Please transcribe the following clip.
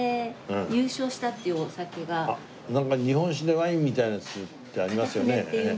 日本酒でワインみたいなやつってありますよね？